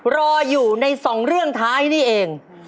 รออยู่ในสองเรื่องท้ายนี่เอง